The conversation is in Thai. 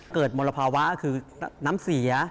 เกิดมลภาวะคือน้ำสี